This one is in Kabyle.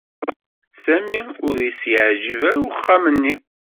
Sami ur as-yeɛjib ara uxxam-nni.